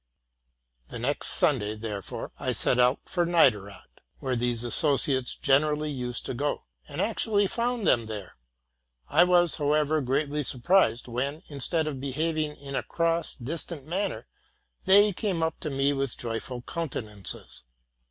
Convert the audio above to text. The next Sunday, therefore, I set out for Niederrad, where these asso ciates generally used to go, and actually found them there. I was, however, greatly surprised, when, instead of behaving in a cross, distant manner, they came up to me with joyful countenances.